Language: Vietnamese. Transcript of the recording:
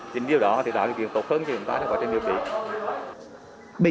những điều đó thì đạo điều tốt hơn cho chúng ta trong quá trình điều trị